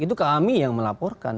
itu kami yang melaporkan